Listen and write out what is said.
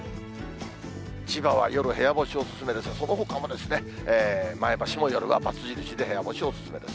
千葉は夜、部屋干しお勧めで、そのほかも前橋も夜は×印で部屋干しお勧めです。